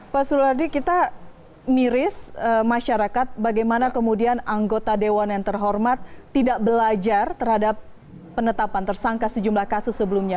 pak sulardi kita miris masyarakat bagaimana kemudian anggota dewan yang terhormat tidak belajar terhadap penetapan tersangka sejumlah kasus sebelumnya